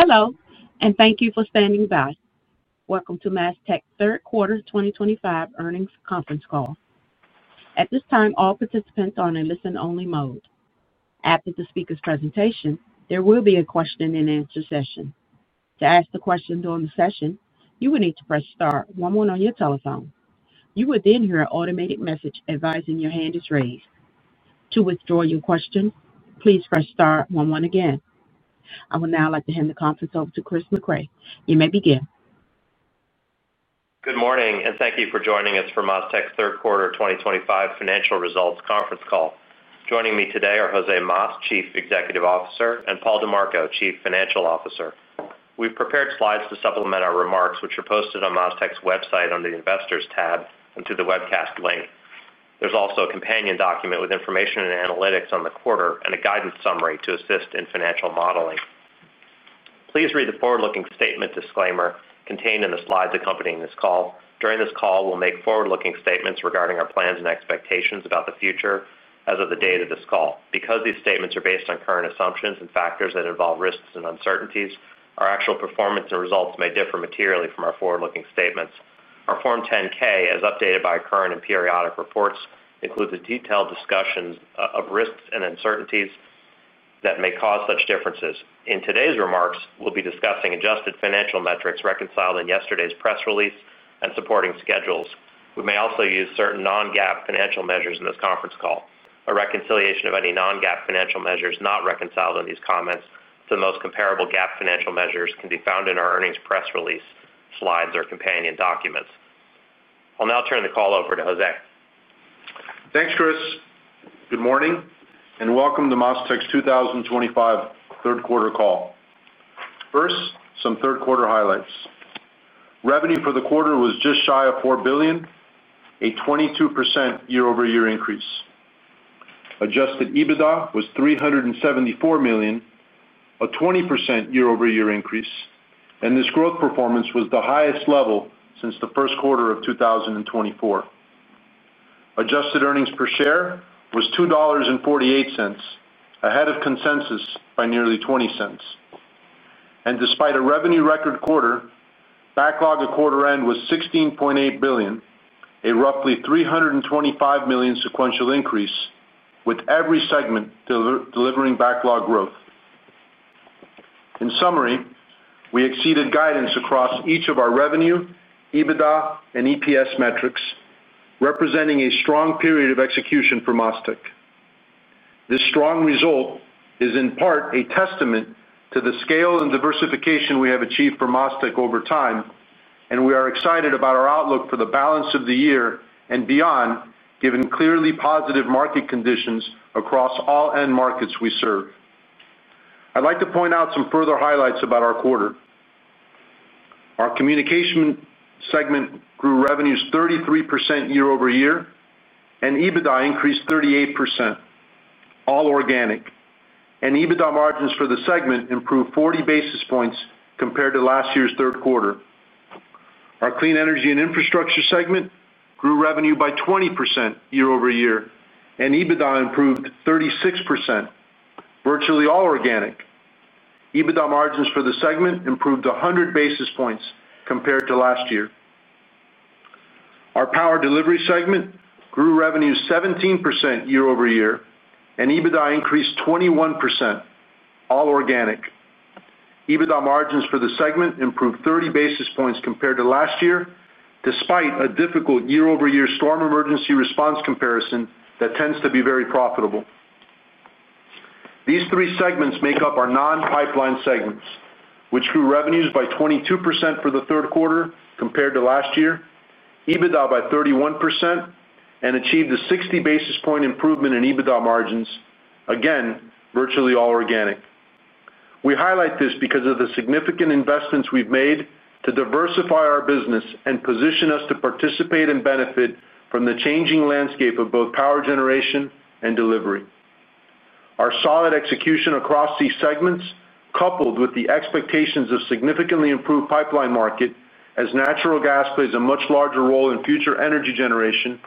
Hello, and thank you for standing by. Welcome to MasTec Third Quarter 2025 Earnings Conference Call. At this time, all participants are in listen-only mode. After the speaker's presentation, there will be a question-and-answer session. To ask a question during the session, you will need to press star one one on your telephone. You will then hear an automated message advising your hand is raised. To withdraw your question, please press star one one again. I would now like to hand the conference over to Chris Mecray. You may begin. Good morning, and thank you for joining us for MasTec Third Quarter 2025 Financial Results Conference Call. Joining me today are Jose Mas, Chief Executive Officer, and Paul Dimarco, Chief Financial Officer. We've prepared slides to supplement our remarks, which are posted on MasTec's website under the Investors tab and through the webcast link. There's also a companion document with information and analytics on the quarter and a guidance summary to assist in financial modeling. Please read the forward-looking statement disclaimer contained in the slides accompanying this call. During this call, we'll make forward-looking statements regarding our plans and expectations about the future as of the date of this call. Because these statements are based on current assumptions and factors that involve risks and uncertainties, our actual performance and results may differ materially from our forward-looking statements. Our Form 10-K, as updated by current and periodic reports, includes a detailed discussion of risks and uncertainties that may cause such differences. In today's remarks, we'll be discussing adjusted financial metrics reconciled in yesterday's press release and supporting schedules. We may also use certain non-GAAP financial measures in this conference call. A reconciliation of any non-GAAP financial measures not reconciled in these comments to the most comparable GAAP financial measures can be found in our earnings press release slides or companion documents. I'll now turn the call over to Jose. Thanks, Chris. Good morning, and welcome to MasTec's 2025 Third Quarter Call. First, some third quarter highlights. Revenue for the quarter was just shy of $4 billion, a 22% year-over-year increase. Adjusted EBITDA was $374 million, a 20% year-over-year increase, and this growth performance was the highest level since the first quarter of 2024. Adjusted earnings per share was $2.48, ahead of consensus by nearly $0.20. Despite a revenue record quarter, backlog at quarter end was $16.8 billion, a roughly $325 million sequential increase, with every segment delivering backlog growth. In summary, we exceeded guidance across each of our revenue, EBITDA, and EPS metrics, representing a strong period of execution for MasTec. This strong result is, in part, a testament to the scale and diversification we have achieved for MasTec over time, and we are excited about our outlook for the balance of the year and beyond, given clearly positive market conditions across all end markets we serve. I'd like to point out some further highlights about our quarter. Our communications segment grew revenues 33% year-over-year, and EBITDA increased 38%, all organic. EBITDA margins for the segment improved 40 basis points compared to last year's third quarter. Our clean energy and infrastructure segment grew revenue by 20% year-over-year, and EBITDA improved 36%, virtually all organic. EBITDA margins for the segment improved 100 basis points compared to last year. Our power delivery segment grew revenues 17% year-over-year, and EBITDA increased 21%, all organic. EBITDA margins for the segment improved 30 basis points compared to last year, despite a difficult year-over-year storm emergency response comparison that tends to be very profitable. These three segments make up our non-pipeline segments, which grew revenues by 22% for the third quarter compared to last year, EBITDA by 31%, and achieved a 60 basis point improvement in EBITDA margins, again, virtually all organic. We highlight this because of the significant investments we've made to diversify our business and position us to participate and benefit from the changing landscape of both power generation and delivery. Our solid execution across these segments, coupled with the expectations of significantly improved pipeline market as natural gas plays a much larger role in future energy generation,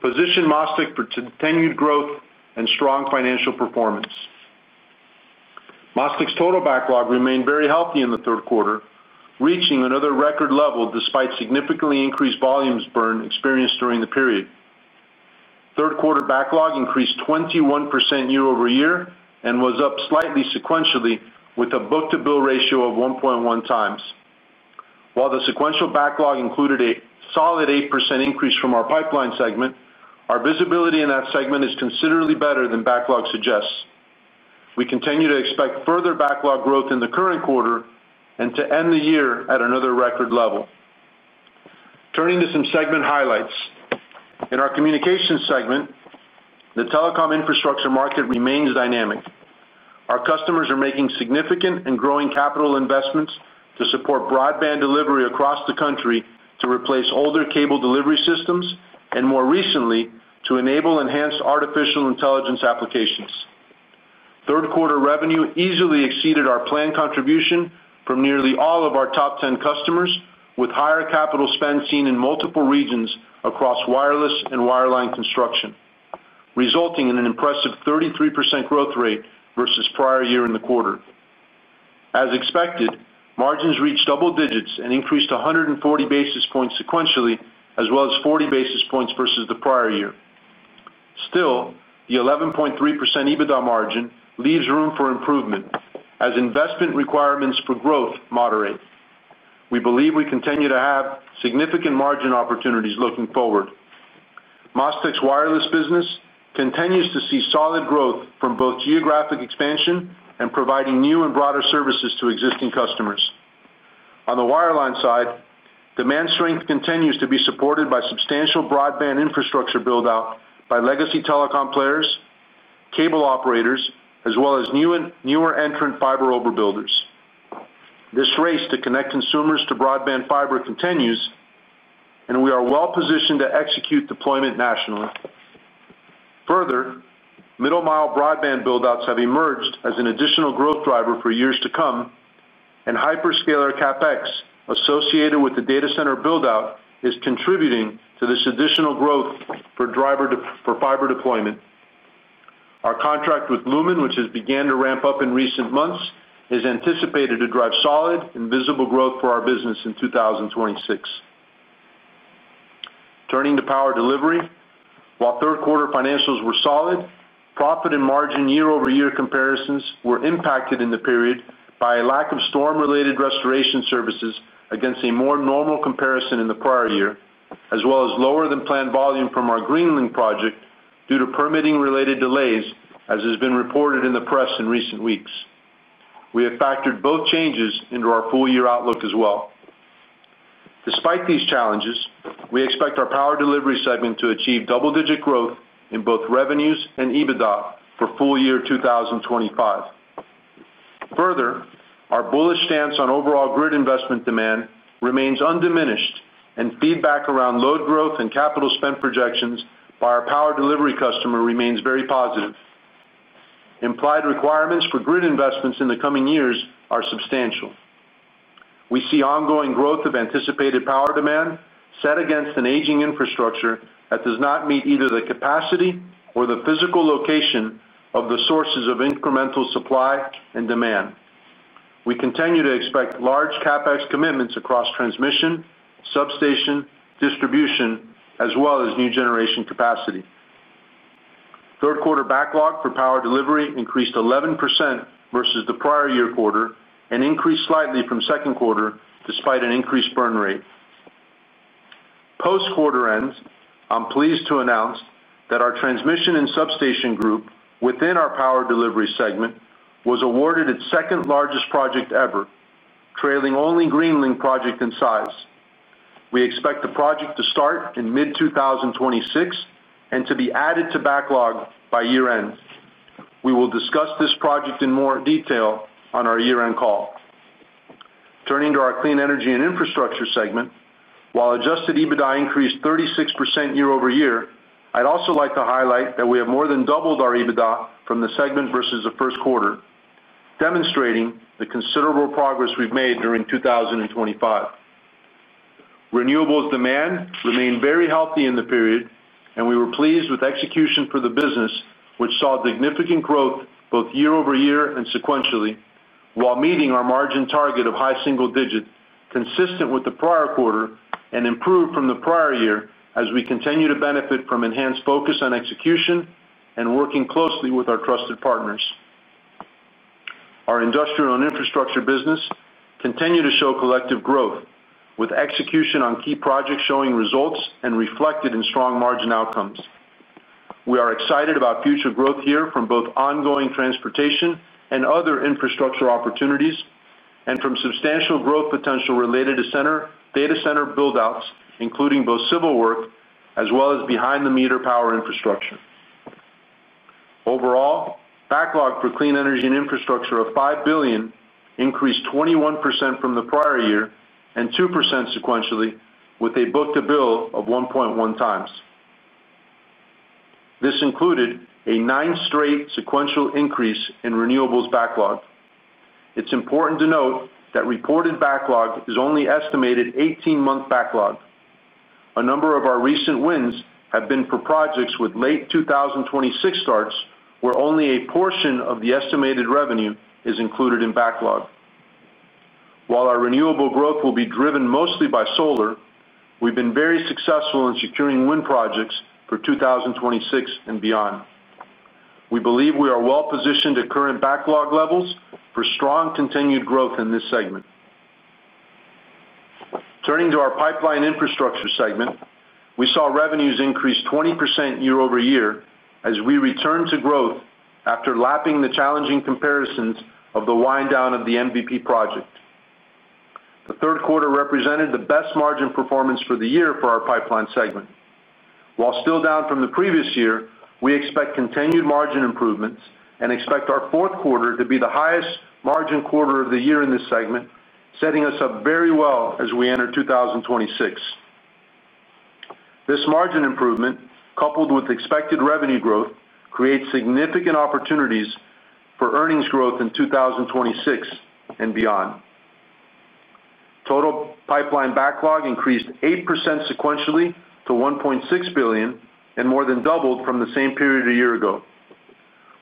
positioned MasTec for continued growth and strong financial performance. MasTec's total backlog remained very healthy in the third quarter, reaching another record level despite significantly increased volumes burn experienced during the period. Third quarter backlog increased 21% year-over-year and was up slightly sequentially with a book-to-bill ratio of 1.1 times. While the sequential backlog included a solid 8% increase from our pipeline segment, our visibility in that segment is considerably better than backlog suggests. We continue to expect further backlog growth in the current quarter and to end the year at another record level. Turning to some segment highlights. In our communications segment, the telecom infrastructure market remains dynamic. Our customers are making significant and growing capital investments to support broadband delivery across the country to replace older cable delivery systems and, more recently, to enable enhanced artificial intelligence applications. Third quarter revenue easily exceeded our planned contribution from nearly all of our top 10 customers, with higher capital spend seen in multiple regions across wireless and wireline construction, resulting in an impressive 33% growth rate versus prior year in the quarter. As expected, margins reached double digits and increased 140 basis points sequentially, as well as 40 basis points versus the prior year. Still, the 11.3% EBITDA margin leaves room for improvement as investment requirements for growth moderate. We believe we continue to have significant margin opportunities looking forward. MasTec's wireless business continues to see solid growth from both geographic expansion and providing new and broader services to existing customers. On the wireline side, demand strength continues to be supported by substantial broadband infrastructure build-out by legacy telecom players, cable operators, as well as newer end-to-end fiber overbuilders. This race to connect consumers to broadband fiber continues, and we are well positioned to execute deployment nationally. Further, middle-mile broadband build-outs have emerged as an additional growth driver for years to come, and Hyperscaler CapEx associated with the data center build-out is contributing to this additional growth for fiber deployment. Our contract with Lumen, which has begun to ramp up in recent months, is anticipated to drive solid and visible growth for our business in 2026. Turning to power delivery, while third quarter financials were solid, profit and margin year-over-year comparisons were impacted in the period by a lack of storm-related restoration services against a more normal comparison in the prior year, as well as lower-than-planned volume from our Greenlink project due to permitting-related delays, as has been reported in the press in recent weeks. We have factored both changes into our full-year outlook as well. Despite these challenges, we expect our power delivery segment to achieve double-digit growth in both revenues and EBITDA for full year 2025. Further, our bullish stance on overall grid investment demand remains undiminished, and feedback around load growth and capital spend projections by our power delivery customer remains very positive. Implied requirements for grid investments in the coming years are substantial. We see ongoing growth of anticipated power demand set against an aging infrastructure that does not meet either the capacity or the physical location of the sources of incremental supply and demand. We continue to expect large CapEx commitments across transmission, substation, distribution, as well as new generation capacity. Third quarter backlog for power delivery increased 11% versus the prior year quarter and increased slightly from second quarter despite an increased burn rate. Post quarter end, I'm pleased to announce that our transmission and substation group within our power delivery segment was awarded its second-largest project ever, trailing only Greenlink project in size. We expect the project to start in mid-2026 and to be added to backlog by year-end. We will discuss this project in more detail on our year-end call. Turning to our clean energy and infrastructure segment, while Adjusted EBITDA increased 36% year-over-year, I'd also like to highlight that we have more than doubled our EBITDA from the segment versus the first quarter, demonstrating the considerable progress we've made during 2025. Renewables demand remained very healthy in the period, and we were pleased with execution for the business, which saw significant growth both year-over-year and sequentially while meeting our margin target of high single digits, consistent with the prior quarter and improved from the prior year as we continue to benefit from enhanced focus on execution and working closely with our trusted partners. Our industrial and infrastructure business continued to show collective growth, with execution on key projects showing results and reflected in strong margin outcomes. We are excited about future growth here from both ongoing transportation and other infrastructure opportunities and from substantial growth potential related to data center build-outs, including both civil work as well as behind-the-meter power infrastructure. Overall, backlog for clean energy and infrastructure of $5 billion increased 21% from the prior year and 2% sequentially, with a book-to-bill of 1.1 times. This included a nine-straight sequential increase in renewables backlog. It's important to note that reported backlog is only estimated 18-month backlog. A number of our recent wins have been for projects with late 2026 starts where only a portion of the estimated revenue is included in backlog. While our renewable growth will be driven mostly by solar, we've been very successful in securing wind projects for 2026 and beyond. We believe we are well positioned at current backlog levels for strong continued growth in this segment. Turning to our pipeline infrastructure segment, we saw revenues increase 20% year-over-year as we returned to growth after lapping the challenging comparisons of the wind-down of the MVP project. The third quarter represented the best margin performance for the year for our pipeline segment. While still down from the previous year, we expect continued margin improvements and expect our fourth quarter to be the highest margin quarter of the year in this segment, setting us up very well as we enter 2026. This margin improvement, coupled with expected revenue growth, creates significant opportunities for earnings growth in 2026 and beyond. Total pipeline backlog increased 8% sequentially to $1.6 billion and more than doubled from the same period a year ago.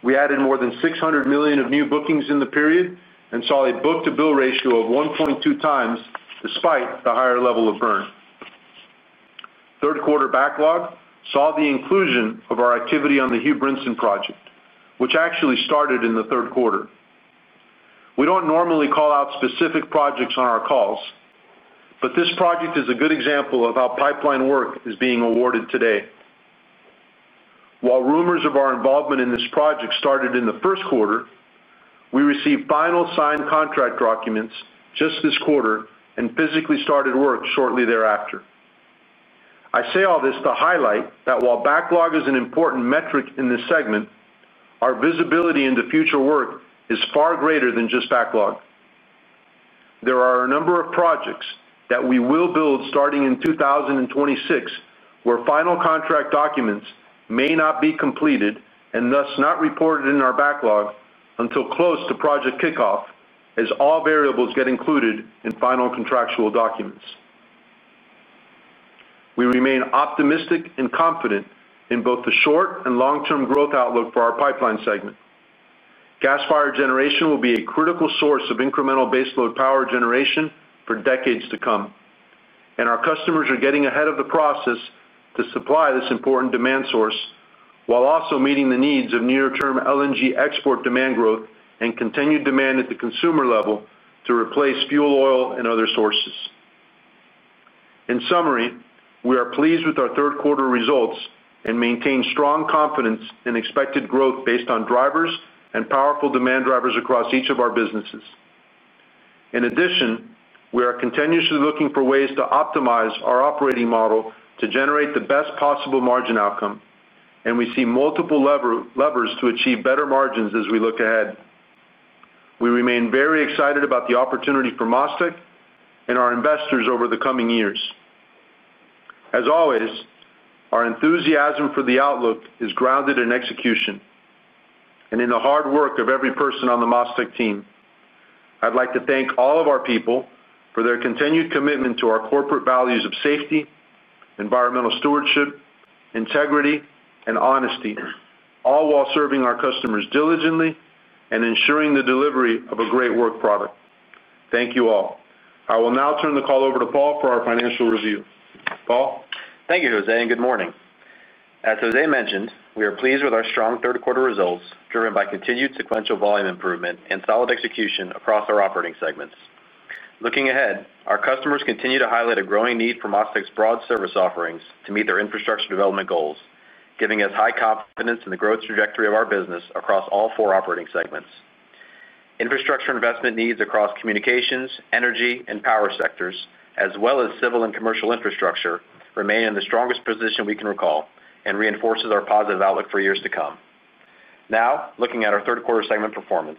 We added more than $600 million of new bookings in the period and saw a book-to-bill ratio of 1.2 times despite the higher level of burn. Third quarter backlog saw the inclusion of our activity on the Hugh Brinson project, which actually started in the third quarter. We don't normally call out specific projects on our calls, but this project is a good example of how pipeline work is being awarded today. While rumors of our involvement in this project started in the first quarter, we received final signed contract documents just this quarter and physically started work shortly thereafter. I say all this to highlight that while backlog is an important metric in this segment, our visibility into future work is far greater than just backlog. There are a number of projects that we will build starting in 2026 where final contract documents may not be completed and thus not reported in our backlog until close to project kickoff, as all variables get included in final contractual documents. We remain optimistic and confident in both the short and long-term growth outlook for our pipeline segment. Gas fiber generation will be a critical source of incremental baseload power generation for decades to come, and our customers are getting ahead of the process to supply this important demand source while also meeting the needs of near-term LNG export demand growth and continued demand at the consumer level to replace fuel, oil, and other sources. In summary, we are pleased with our third quarter results and maintain strong confidence in expected growth based on drivers and powerful demand drivers across each of our businesses. In addition, we are continuously looking for ways to optimize our operating model to generate the best possible margin outcome, and we see multiple levers to achieve better margins as we look ahead. We remain very excited about the opportunity for MasTec and our investors over the coming years. As always, our enthusiasm for the outlook is grounded in execution. In the hard work of every person on the MasTec team, I'd like to thank all of our people for their continued commitment to our corporate values of safety, environmental stewardship, integrity, and honesty, all while serving our customers diligently and ensuring the delivery of a great work product. Thank you all. I will now turn the call over to Paul for our financial review. Paul? Thank you, Jose, and good morning. As Jose mentioned, we are pleased with our strong third quarter results driven by continued sequential volume improvement and solid execution across our operating segments. Looking ahead, our customers continue to highlight a growing need for MasTec's broad service offerings to meet their infrastructure development goals, giving us high confidence in the growth trajectory of our business across all four operating segments. Infrastructure investment needs across communications, energy, and power sectors, as well as civil and commercial infrastructure, remain in the strongest position we can recall and reinforces our positive outlook for years to come. Now, looking at our third quarter segment performance.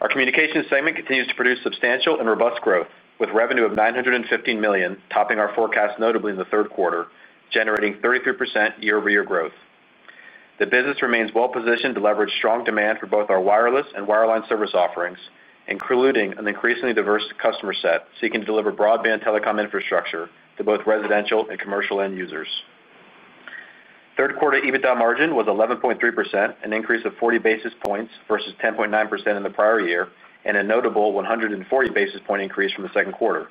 Our communications segment continues to produce substantial and robust growth, with revenue of $915 million topping our forecast notably in the third quarter, generating 33% year-over-year growth. The business remains well positioned to leverage strong demand for both our wireless and wireline service offerings, including an increasingly diverse customer set seeking to deliver broadband telecom infrastructure to both residential and commercial end users. Third quarter EBITDA margin was 11.3%, an increase of 40 basis points versus 10.9% in the prior year and a notable 140 basis point increase from the second quarter.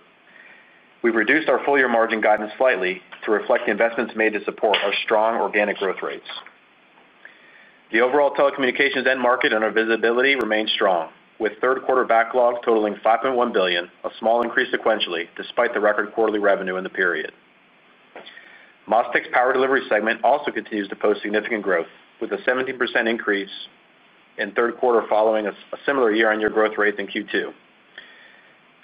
We've reduced our full-year margin guidance slightly to reflect investments made to support our strong organic growth rates. The overall telecommunications end market and our visibility remain strong, with third quarter backlog totaling $5.1 billion, a small increase sequentially despite the record quarterly revenue in the period. MasTec's power delivery segment also continues to post significant growth, with a 17% increase in the third quarter following a similar year-on-year growth rate in Q2.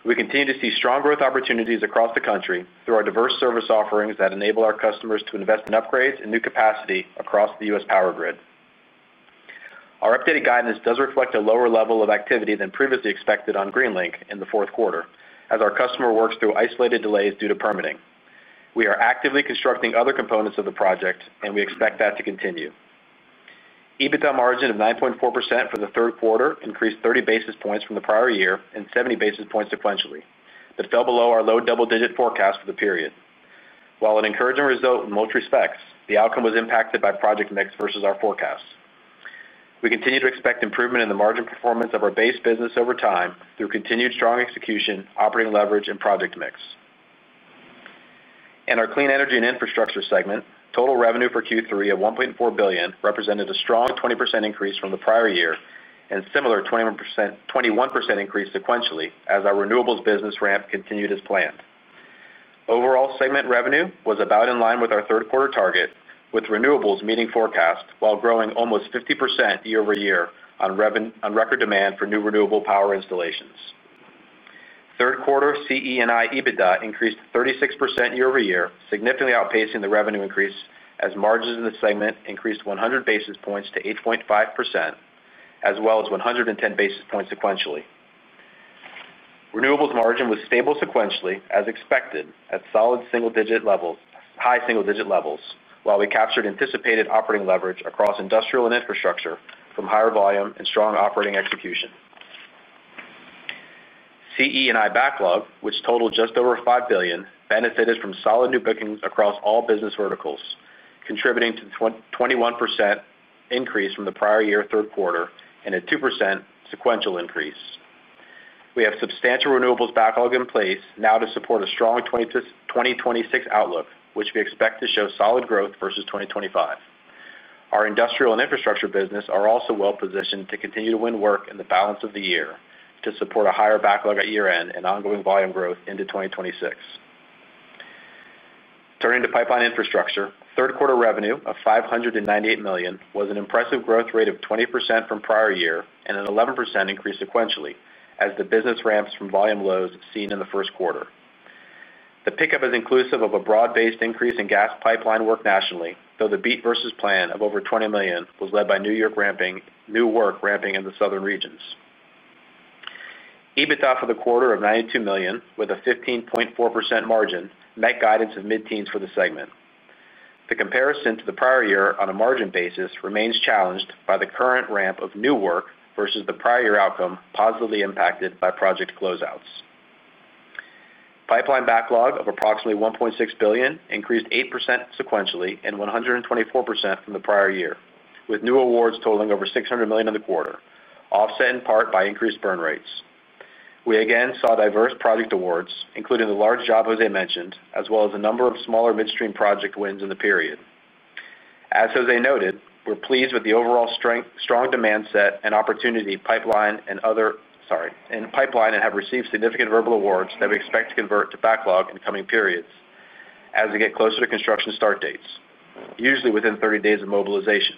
We continue to see strong growth opportunities across the country through our diverse service offerings that enable our customers to invest in upgrades and new capacity across the U.S. power grid. Our updated guidance does reflect a lower level of activity than previously expected on Greenlink in the fourth quarter as our customer works through isolated delays due to permitting. We are actively constructing other components of the project, and we expect that to continue. EBITDA margin of 9.4% for the third quarter increased 30 basis points from the prior year and 70 basis points sequentially, but fell below our low double-digit forecast for the period. While an encouraging result in most respects, the outcome was impacted by project mix versus our forecast. We continue to expect improvement in the margin performance of our base business over time through continued strong execution, operating leverage, and project mix. In our clean energy and infrastructure segment, total revenue for Q3 of $1.4 billion represented a strong 20% increase from the prior year and similar 21% increase sequentially as our renewables business ramp continued as planned. Overall segment revenue was about in line with our third quarter target, with renewables meeting forecast while growing almost 50% year-over-year on record demand for new renewable power installations. Third quarter CE&I EBITDA increased 36% year-over-year, significantly outpacing the revenue increase as margins in the segment increased 100 basis points to 8.5%, as well as 110 basis points sequentially. Renewables margin was stable sequentially as expected at high single-digit levels, while we captured anticipated operating leverage across industrial and infrastructure from higher volume and strong operating execution. CE&I backlog, which totaled just over $5 billion, benefited from solid new bookings across all business verticals, contributing to the 21% increase from the prior year third quarter and a 2% sequential increase. We have substantial renewables backlog in place now to support a strong 2026 outlook, which we expect to show solid growth versus 2025. Our industrial and infrastructure business are also well positioned to continue to win work in the balance of the year to support a higher backlog at year-end and ongoing volume growth into 2026. Turning to pipeline infrastructure, third quarter revenue of $598 million was an impressive growth rate of 20% from prior year and an 11% increase sequentially as the business ramps from volume lows seen in the first quarter. The pickup is inclusive of a broad-based increase in gas pipeline work nationally, though the beat versus plan of over $20 million was led by New York ramping new work in the southern regions. EBITDA for the quarter of $92 million with a 15.4% margin met guidance of mid-teens for the segment. The comparison to the prior year on a margin basis remains challenged by the current ramp of new work versus the prior year outcome positively impacted by project closeouts. Pipeline backlog of approximately $1.6 billion increased 8% sequentially and 124% from the prior year, with new awards totaling over $600 million in the quarter, offset in part by increased burn rates. We again saw diverse project awards, including the large job Jose mentioned, as well as a number of smaller midstream project wins in the period. As Jose noted, we're pleased with the overall strong demand set and opportunity pipeline and have received significant verbal awards that we expect to convert to backlog in coming periods as we get closer to construction start dates, usually within 30 days of mobilization.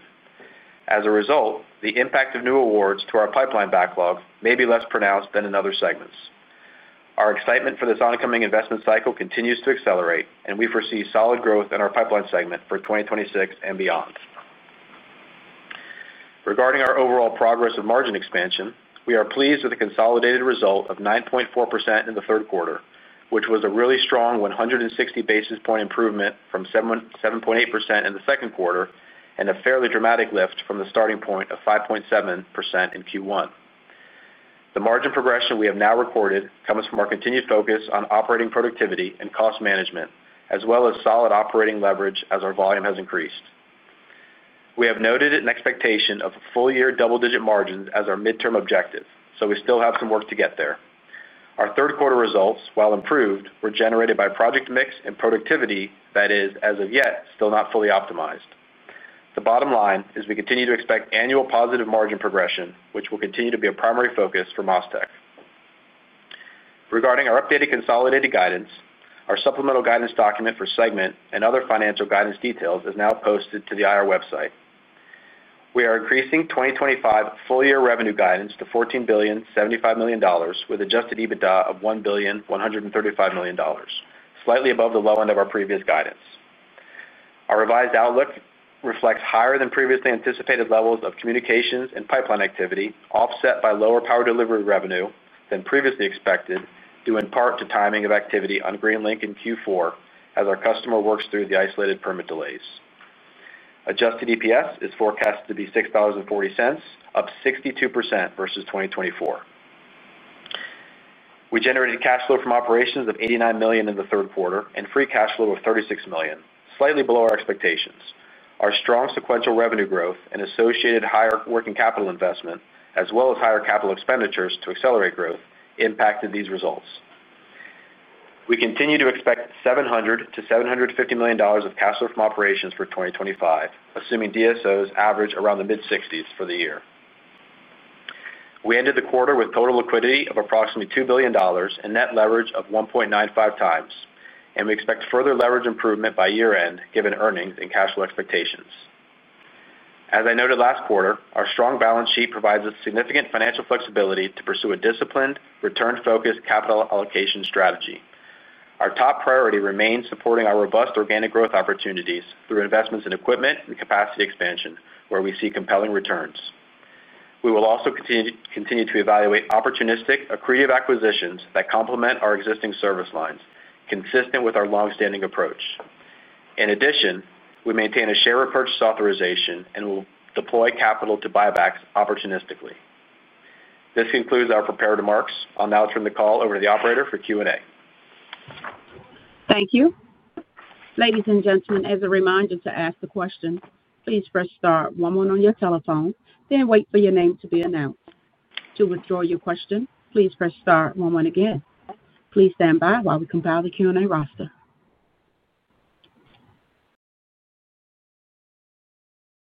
As a result, the impact of new awards to our pipeline backlog may be less pronounced than in other segments. Our excitement for this oncoming investment cycle continues to accelerate, and we foresee solid growth in our pipeline segment for 2026 and beyond. Regarding our overall progress of margin expansion, we are pleased with a consolidated result of 9.4% in the third quarter, which was a really strong 160 basis point improvement from 7.8% in the second quarter and a fairly dramatic lift from the starting point of 5.7% in Q1. The margin progression we have now recorded comes from our continued focus on operating productivity and cost management, as well as solid operating leverage as our volume has increased. We have noted an expectation of full-year double-digit margins as our midterm objective, so we still have some work to get there. Our third quarter results, while improved, were generated by project mix and productivity that is, as of yet, still not fully optimized. The bottom line is we continue to expect annual positive margin progression, which will continue to be a primary focus for MasTec. Regarding our updated consolidated guidance, our supplemental guidance document for segment and other financial guidance details is now posted to the IR website. We are increasing 2025 full-year revenue guidance to $14.075 billion with Adjusted EBITDA of $1.135 billion, slightly above the low end of our previous guidance. Our revised outlook reflects higher than previously anticipated levels of communications and pipeline activity, offset by lower power delivery revenue than previously expected due in part to timing of activity on Greenlink in Q4 as our customer works through the isolated permit delays. Adjusted EPS is forecast to be $6.40, up 62% versus 2024. We generated cash flow from operations of $89 million in the third quarter and free cash flow of $36 million, slightly below our expectations. Our strong sequential revenue growth and associated higher working capital investment, as well as higher capital expenditures to accelerate growth, impacted these results. We continue to expect $700 to $750 million of cash flow from operations for 2025, assuming DSOs average around the mid-60s for the year. We ended the quarter with total liquidity of approximately $2 billion and net leverage of 1.95 times, and we expect further leverage improvement by year-end given earnings and cash flow expectations. As I noted last quarter, our strong balance sheet provides us significant financial flexibility to pursue a disciplined, return-focused capital allocation strategy. Our top priority remains supporting our robust organic growth opportunities through investments in equipment and capacity expansion, where we see compelling returns. We will also continue to evaluate opportunistic accretive acquisitions that complement our existing service lines, consistent with our long-standing approach. In addition, we maintain a share repurchase authorization and will deploy capital to buybacks opportunistically. This concludes our prepared remarks. I'll now turn the call over to the operator for Q&A. Thank you. Ladies and gentlemen, as a reminder to ask the question, please press star one-one on your telephone, then wait for your name to be announced. To withdraw your question, please press star one-one again. Please stand by while we compile the Q&A roster.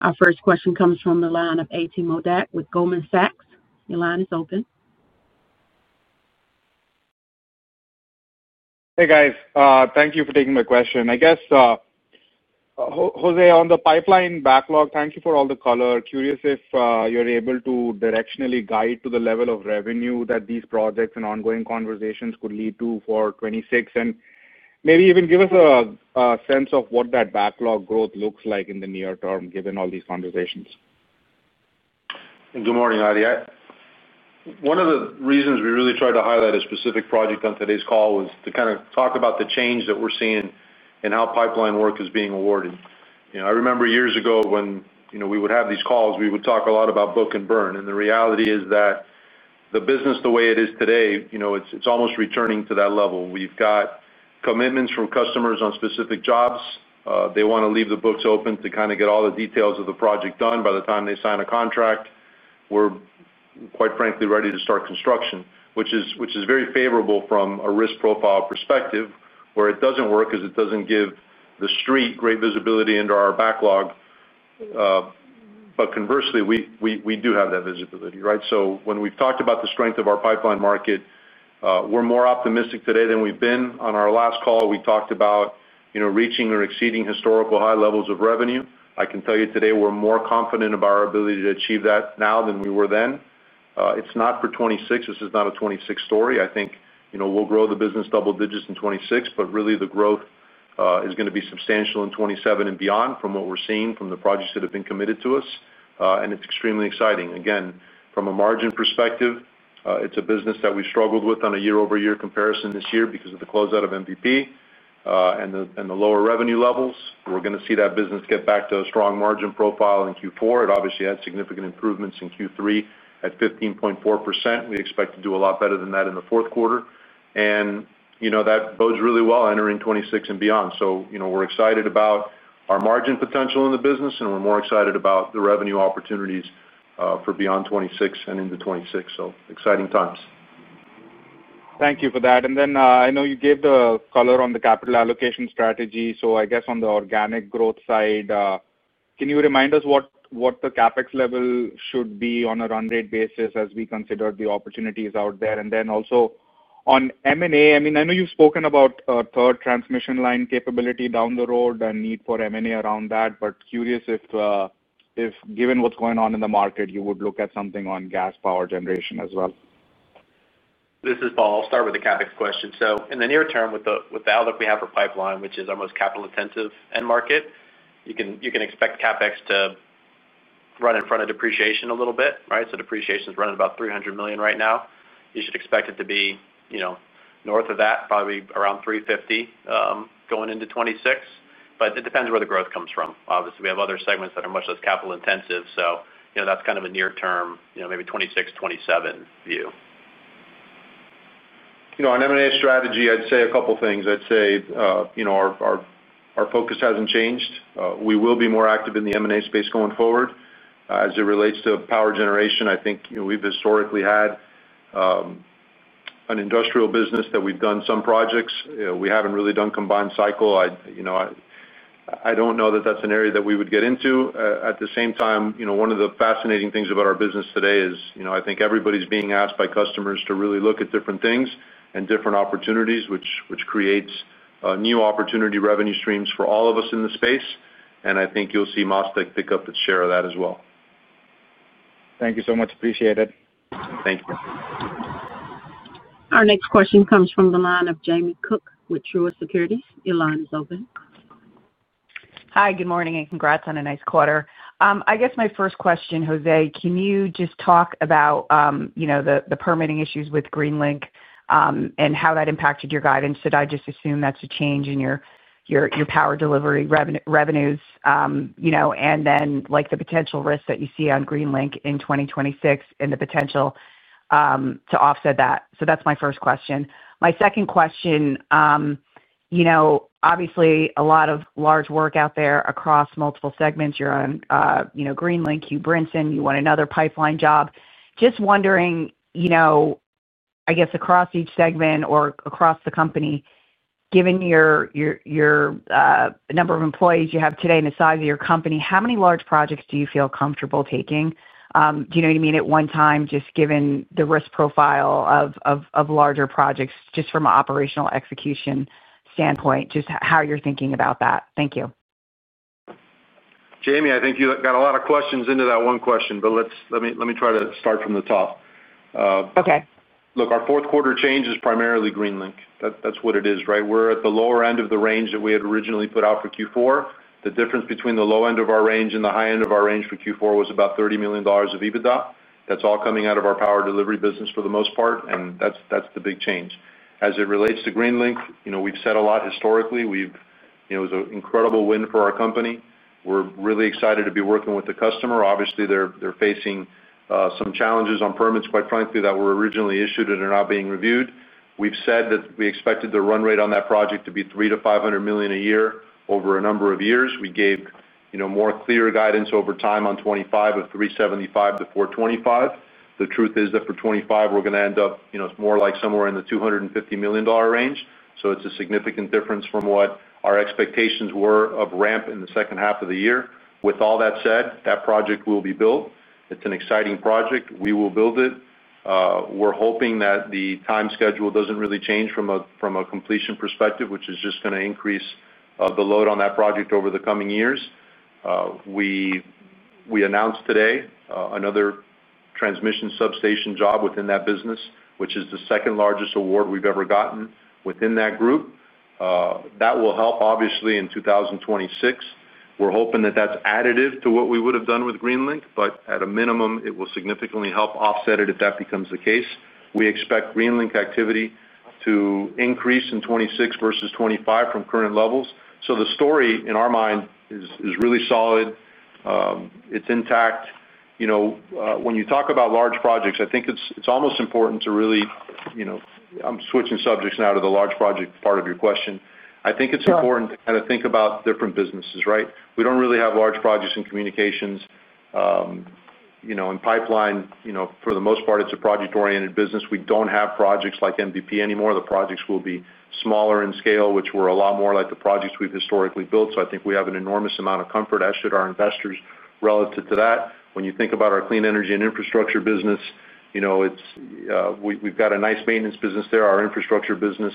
Our first question comes from the line of AT Modak with Goldman Sachs. Your line is open. Hey, guys. Thank you for taking my question. Jose, on the pipeline backlog, thank you for all the color. Curious if you're able to directionally guide to the level of revenue that these projects and ongoing conversations could lead to for 2026 and maybe even give us a sense of what that backlog growth looks like in the near term given all these conversations. Good morning, Adi. One of the reasons we really tried to highlight a specific project on today's call was to kind of talk about the change that we're seeing in how pipeline work is being awarded. I remember years ago when we would have these calls, we would talk a lot about book and burn. The reality is that the business, the way it is today, it's almost returning to that level. We've got commitments from customers on specific jobs. They want to leave the books open to kind of get all the details of the project done by the time they sign a contract. We're, quite frankly, ready to start construction, which is very favorable from a risk profile perspective, where it doesn't work because it doesn't give the street great visibility into our backlog. Conversely, we do have that visibility, right? When we've talked about the strength of our pipeline market, we're more optimistic today than we've been. On our last call, we talked about reaching or exceeding historical high levels of revenue. I can tell you today we're more confident about our ability to achieve that now than we were then. It's not for 2026. This is not a 2026 story. I think we'll grow the business double digits in 2026, but really the growth is going to be substantial in 2027 and beyond from what we're seeing from the projects that have been committed to us. It's extremely exciting. Again, from a margin perspective, it's a business that we've struggled with on a year-over-year comparison this year because of the closeout of MVP and the lower revenue levels. We're going to see that business get back to a strong margin profile in Q4. It obviously had significant improvements in Q3 at 15.4%. We expect to do a lot better than that in the fourth quarter. That bodes really well entering 2026 and beyond. We're excited about our margin potential in the business, and we're more excited about the revenue opportunities for beyond 2026 and into 2026. Exciting times. Thank you for that. I know you gave the color on the capital allocation strategy. I guess on the organic growth side, can you remind us what the CapEx level should be on a run rate basis as we consider the opportunities out there? Also, on M&A, I know you've spoken about a third transmission line capability down the road and need for M&A around that, but curious if, given what's going on in the market, you would look at something on gas power generation as well. This is Paul. I'll start with the CapEx question. In the near term with the outlook we have for pipeline, which is our most capital-intensive end market, you can expect CapEx to run in front of depreciation a little bit, right? Depreciation is running about $300 million right now. You should expect it to be north of that, probably around $350 million going into 2026. It depends where the growth comes from. Obviously, we have other segments that are much less capital-intensive. That's kind of a near-term, maybe 2026, 2027 view. On M&A strategy, I'd say a couple of things. Our focus hasn't changed. We will be more active in the M&A space going forward. As it relates to power generation, I think we've historically had an industrial business that we've done some projects. We haven't really done combined cycle. I don't know that that's an area that we would get into. At the same time, one of the fascinating things about our business today is I think everybody's being asked by customers to really look at different things and different opportunities, which creates new opportunity revenue streams for all of us in the space. I think you'll see MasTec pick up its share of that as well. Thank you so much. Appreciate it. Thank you. Our next question comes from the line of Jamie Cook with Truist Securities. Your line is open. Hi, good morning, and congrats on a nice quarter. I guess my first question, Jose, can you just talk about the permitting issues with Greenlink and how that impacted your guidance? Did I just assume that's a change in your power delivery revenues and then the potential risk that you see on Greenlink in 2026 and the potential to offset that? That's my first question. My second question, obviously, a lot of large work out there across multiple segments. You're on Greenlink, Hugh Brinson, you won another pipeline job. Just wondering, I guess across each segment or across the company, given your number of employees you have today and the size of your company, how many large projects do you feel comfortable taking at one time, just given the risk profile of larger projects, just from an operational execution standpoint, just how you're thinking about that? Thank you. Jamie, I think you got a lot of questions into that one question, but let me try to start from the top. Okay. Look, our fourth quarter change is primarily Greenlink. That's what it is, right? We're at the lower end of the range that we had originally put out for Q4. The difference between the low end of our range and the high end of our range for Q4 was about $30 million of EBITDA. That's all coming out of our power delivery business for the most part, and that's the big change. As it relates to Greenlink, we've said a lot historically. It was an incredible win for our company. We're really excited to be working with the customer. Obviously, they're facing some challenges on permits, quite frankly, that were originally issued and are now being reviewed. We've said that we expected the run rate on that project to be $300 million-$500 million a year over a number of years. We gave more clear guidance over time on 2025 of $375 million-$425 million. The truth is that for 2025, we're going to end up, it's more like somewhere in the $250 million range. It's a significant difference from what our expectations were of ramp in the second half of the year. With all that said, that project will be built. It's an exciting project. We will build it. We're hoping that the time schedule doesn't really change from a completion perspective, which is just going to increase the load on that project over the coming years. We announced today another transmission and substation job within that business, which is the second largest award we've ever gotten within that group. That will help, obviously, in 2026. We're hoping that that's additive to what we would have done with Greenlink, but at a minimum, it will significantly help offset it if that becomes the case. We expect Greenlink activity to increase in 2026 versus 2025 from current levels. The story in our mind is really solid. It's intact. When you talk about large projects, I think it's almost important to really, I'm switching subjects now to the large project part of your question. I think it's important to kind of think about different businesses, right? We don't really have large projects in communications. In pipeline, for the most part, it's a project-oriented business. We don't have projects like MVP anymore. The projects will be smaller in scale, which were a lot more like the projects we've historically built. I think we have an enormous amount of comfort, as should our investors, relative to that. When you think about our clean energy and infrastructure business, we've got a nice maintenance business there, our infrastructure business.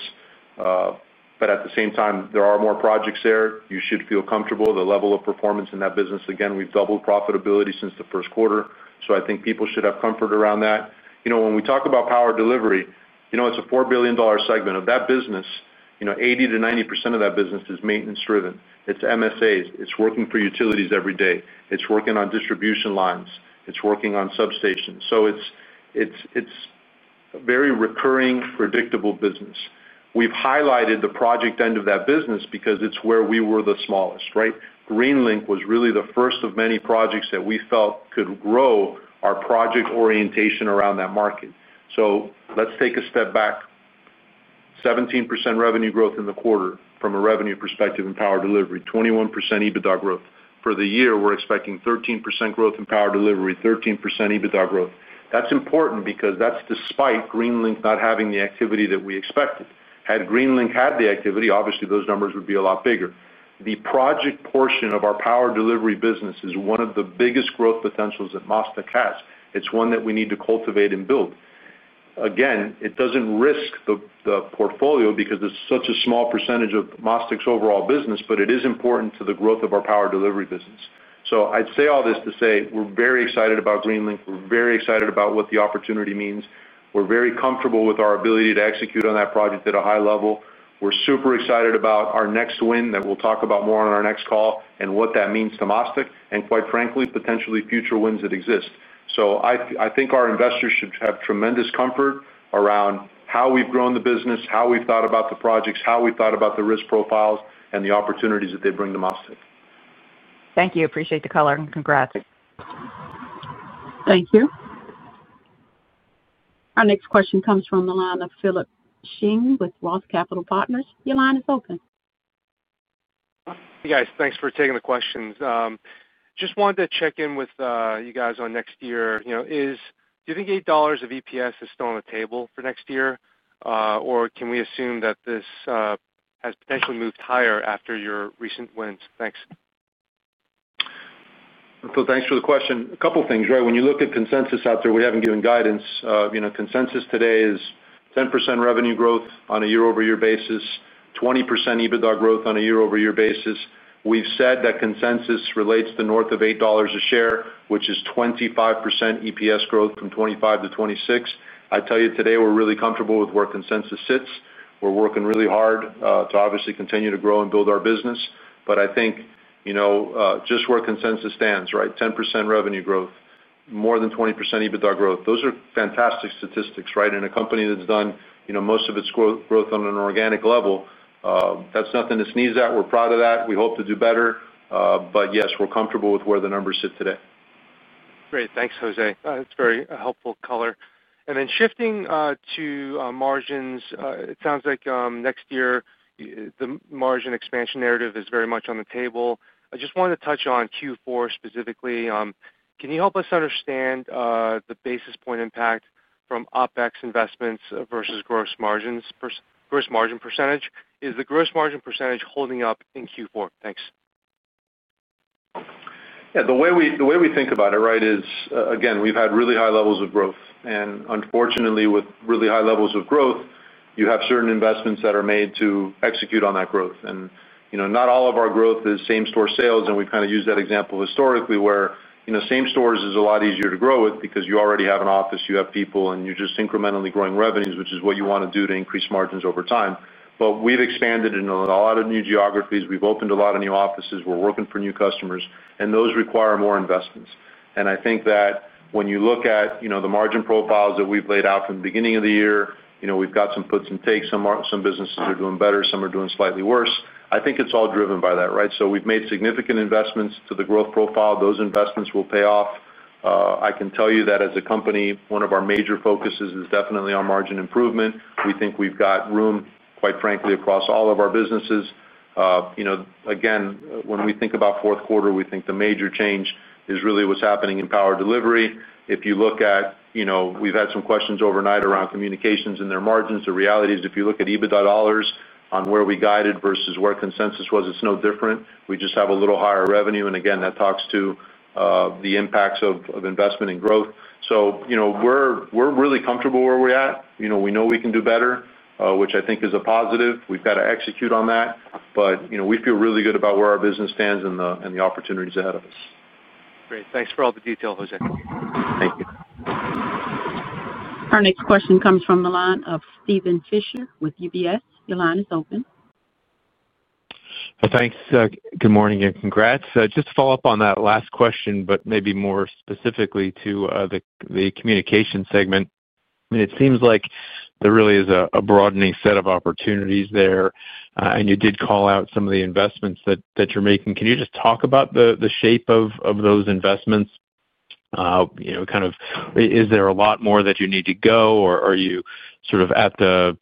At the same time, there are more projects there. You should feel comfortable. The level of performance in that business, again, we've doubled profitability since the first quarter. I think people should have comfort around that. When we talk about power delivery, it's a $4 billion segment of that business. 80%-90% of that business is maintenance-driven. It's MSAs. It's working for utilities every day. It's working on distribution lines. It's working on substations. It's a very recurring, predictable business. We've highlighted the project end of that business because it's where we were the smallest, right? Greenlink was really the first of many projects that we felt could grow our project orientation around that market. Let's take a step back. 17% revenue growth in the quarter from a revenue perspective in power delivery. 21% EBITDA growth. For the year, we're expecting 13% growth in power delivery. 13% EBITDA growth. That's important because that's despite Greenlink not having the activity that we expected. Had Greenlink had the activity, obviously, those numbers would be a lot bigger. The project portion of our power delivery business is one of the biggest growth potentials that MasTec has. It's one that we need to cultivate and build. It doesn't risk the portfolio because it's such a small percentage of MasTec's overall business, but it is important to the growth of our power delivery business. I'd say all this to say we're very excited about Greenlink. We're very excited about what the opportunity means. We're very comfortable with our ability to execute on that project at a high level. We're super excited about our next win that we'll talk about more on our next call and what that means to MasTec and, quite frankly, potentially future wins that exist. I think our investors should have tremendous comfort around how we've grown the business, how we've thought about the projects, how we've thought about the risk profiles, and the opportunities that they bring to MasTec. Thank you. Appreciate the color and congrats. Thank you. Our next question comes from the line of [Philip Xing] with Ross Capital Partners. Your line is open. Hey, guys. Thanks for taking the questions. Just wanted to check in with you guys on next year. Do you think $8 of EPS is still on the table for next year, or can we assume that this has potentially moved higher after your recent wins? Thanks. Thank you for the question. A couple of things, right? When you look at consensus out there, we haven't given guidance. Consensus today is 10% revenue growth on a year-over-year basis, 20% EBITDA growth on a year-over-year basis. We've said that consensus relates to north of $8 a share, which is 25% EPS growth from 2025 to 2026. I tell you today we're really comfortable with where consensus sits. We're working really hard to obviously continue to grow and build our business. I think just where consensus stands, right? 10% revenue growth, more than 20% EBITDA growth. Those are fantastic statistics, right? In a company that's done most of its growth on an organic level, that's nothing to sneeze at. We're proud of that. We hope to do better. Yes, we're comfortable with where the numbers sit today. Great. Thanks, Jose. That's very helpful color. Shifting to margins, it sounds like next year the margin expansion narrative is very much on the table. I just wanted to touch on Q4 specifically. Can you help us understand the basis point impact from OpEx investments versus gross margin percentage? Is the gross margin % holding up in Q4? Thanks. Yeah. The way we think about it, right, is, again, we've had really high levels of growth. Unfortunately, with really high levels of growth, you have certain investments that are made to execute on that growth. Not all of our growth is same-store sales. We've kind of used that example historically where same stores is a lot easier to grow with because you already have an office, you have people, and you're just incrementally growing revenues, which is what you want to do to increase margins over time. We've expanded in a lot of new geographies. We've opened a lot of new offices. We're working for new customers, and those require more investments. I think that when you look at the margin profiles that we've laid out from the beginning of the year, we've got some puts and takes. Some businesses are doing better, some are doing slightly worse. I think it's all driven by that, right? We've made significant investments to the growth profile. Those investments will pay off. I can tell you that as a company, one of our major focuses is definitely on margin improvement. We think we've got room, quite frankly, across all of our businesses. Again, when we think about fourth quarter, we think the major change is really what's happening in power delivery. If you look at it, we've had some questions overnight around communications and their margins. The reality is if you look at EBITDA dollars on where we guided versus where consensus was, it's no different. We just have a little higher revenue. That talks to the impacts of investment and growth. We're really comfortable where we're at. We know we can do better, which I think is a positive. We've got to execute on that. We feel really good about where our business stands and the opportunities ahead of us. Great. Thanks for all the detail, Jose. Thank you. Our next question comes from the line of Steven Fisher with UBS. Your line is open. Thanks. Good morning and congrats. Just to follow up on that last question, maybe more specifically to the communications segment. It seems like there really is a broadening set of opportunities there. You did call out some of the investments that you're making. Can you just talk about the shape of those investments? Is there a lot more that you need to go, or are you sort of at the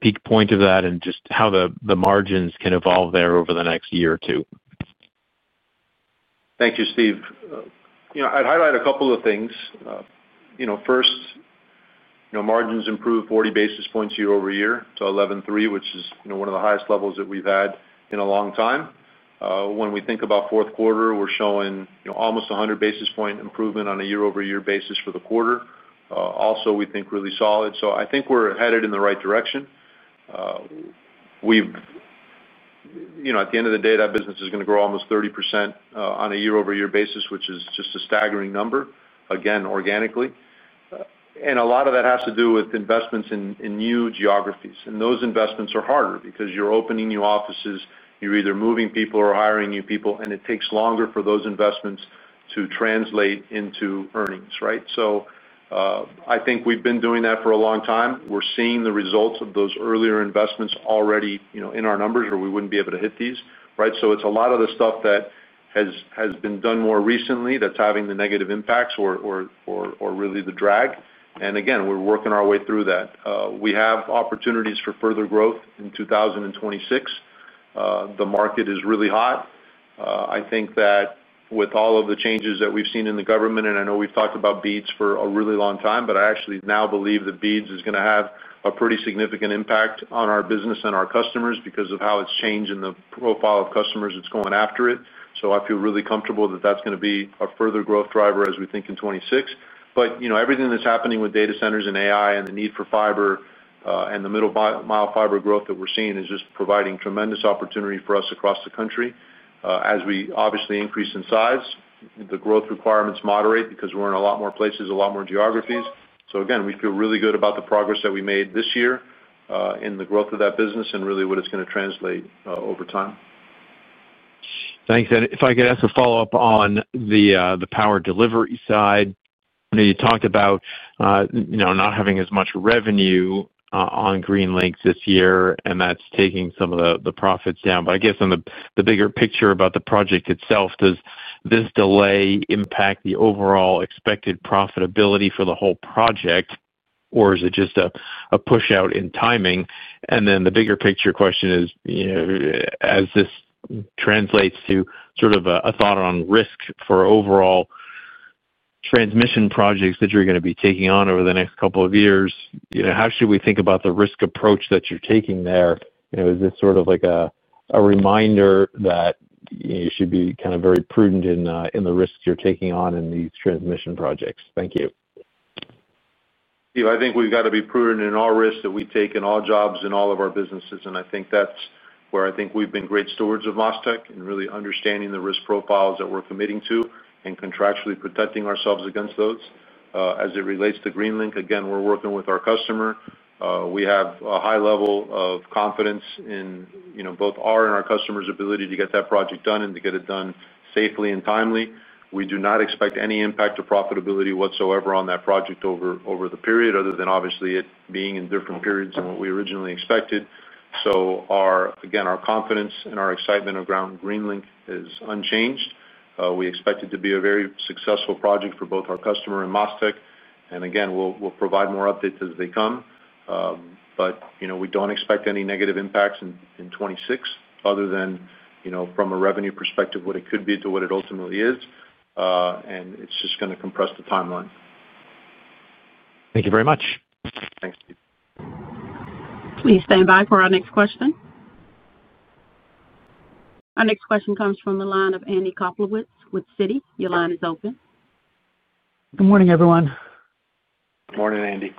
peak point of that, and just how the margins can evolve there over the next year or two? Thank you, Steve. I'd highlight a couple of things. First, margins improved 40 basis points year-over-year to 11.3%, which is one of the highest levels that we've had in a long time. When we think about fourth quarter, we're showing almost 100 basis point improvement on a year-over-year basis for the quarter. Also, we think really solid. I think we're headed in the right direction. At the end of the day, that business is going to grow almost 30% on a year-over-year basis, which is just a staggering number, again, organically. A lot of that has to do with investments in new geographies. Those investments are harder because you're opening new offices, you're either moving people or hiring new people, and it takes longer for those investments to translate into earnings, right? I think we've been doing that for a long time. We're seeing the results of those earlier investments already in our numbers, or we wouldn't be able to hit these, right? It's a lot of the stuff that has been done more recently that's having the negative impacts or really the drag. Again, we're working our way through that. We have opportunities for further growth in 2026. The market is really hot. I think that with all of the changes that we've seen in the government, and I know we've talked about BEAD for a really long time, but I actually now believe that BEAD is going to have a pretty significant impact on our business and our customers because of how it's changed in the profile of customers that's going after it. I feel really comfortable that that's going to be a further growth driver as we think in 2026. Everything that's happening with data centers and AI and the need for fiber and the middle-mile fiber growth that we're seeing is just providing tremendous opportunity for us across the country. As we obviously increase in size, the growth requirements moderate because we're in a lot more places, a lot more geographies. We feel really good about the progress that we made this year in the growth of that business and really what it's going to translate over time. Thanks. If I could ask a follow-up on the power delivery side, you talked about not having as much revenue on Greenlink this year, and that's taking some of the profits down. I guess on the bigger picture about the project itself, does this delay impact the overall expected profitability for the whole project, or is it just a push-out in timing? The bigger picture question is, as this translates to sort of a thought on risk for overall transmission projects that you're going to be taking on over the next couple of years, how should we think about the risk approach that you're taking there? Is this sort of like a reminder that you should be kind of very prudent in the risks you're taking on in these transmission projects? Thank you. Steve, I think we've got to be prudent in all risks that we take in all jobs and all of our businesses. I think that's where I think we've been great stewards of MasTec in really understanding the risk profiles that we're committing to and contractually protecting ourselves against those. As it relates to Greenlink, we're working with our customer. We have a high level of confidence in both our and our customer's ability to get that project done and to get it done safely and timely. We do not expect any impact or profitability whatsoever on that project over the period, other than obviously it being in different periods than what we originally expected. Our confidence and our excitement around Greenlink is unchanged. We expect it to be a very successful project for both our customer and MasTec. We'll provide more updates as they come. We don't expect any negative impacts in 2026, other than from a revenue perspective, what it could be to what it ultimately is. It's just going to compress the timeline. Thank you very much. Thanks, Steve. Please stand by for our next question. Our next question comes from the line of Andy Coplewitz with Citi. Your line is open. Good morning, everyone. Good morning, Andy.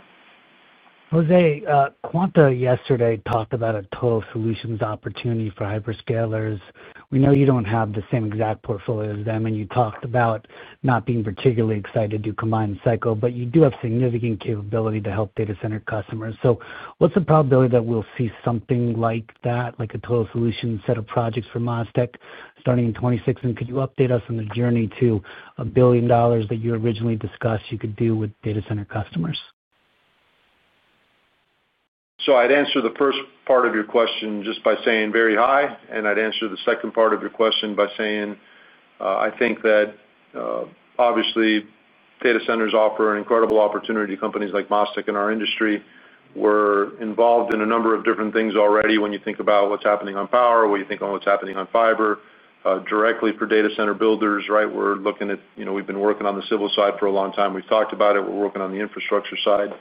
Jose, Quanta yesterday talked about a total solutions opportunity for Hyperscalers. We know you don't have the same exact portfolio as them, and you talked about not being particularly excited to do combined cycle, but you do have significant capability to help data center customers. What's the probability that we'll see something like that, like a total solution set of projects for MasTec starting in 2026? Could you update us on the journey to a billion dollars that you originally discussed you could do with data center customers? I'd answer the first part of your question just by saying very high, and I'd answer the second part of your question by saying I think that. Obviously, data centers offer an incredible opportunity to companies like MasTec in our industry. We're involved in a number of different things already. When you think about what's happening on power, when you think on what's happening on fiber, directly for data center builders, right, we're looking at we've been working on the civil side for a long time. We've talked about it. We're working on the infrastructure side.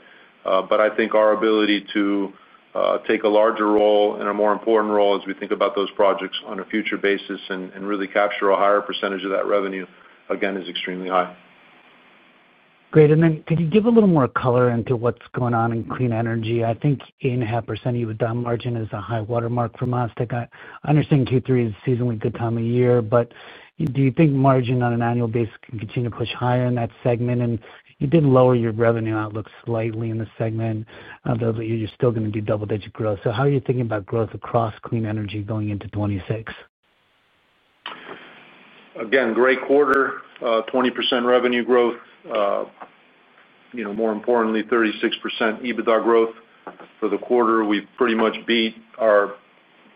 I think our ability to take a larger role and a more important role as we think about those projects on a future basis and really capture a higher percentage of that revenue, again, is extremely high. Great. Could you give a little more color into what's going on in clean energy? I think 8.5% of EBITDA margin is a high watermark for MasTec. I understand Q3 is a seasonally good time of year. Do you think margin on an annual basis can continue to push higher in that segment? You did lower your revenue outlook slightly in the segment, though you're still going to do double-digit growth. How are you thinking about growth across clean energy going into 2026? Again, great quarter, 20% revenue growth. More importantly, 36% EBITDA growth for the quarter. We've pretty much beat our